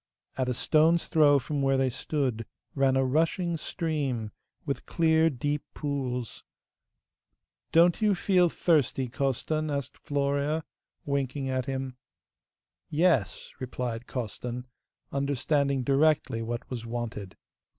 At a stone's throw from where they stood ran a rushing stream, with clear deep pools. 'Don't you feel thirsty, Costan?' asked Florea, winking at him. 'Yes,' replied Costan, understanding directly what was wanted.